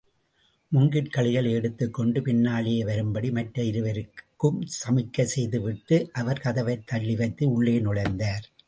மூங்கிற்கழிகளை எடுத்துக் கொண்டு பின்னாலேயே வரும்படி மற்ற இருவருக்கும் சமிக்கை செய்துவிட்டு, அவர் கதவைத் தள்ளிவைத்து உள்ளே நுழைந்தார்.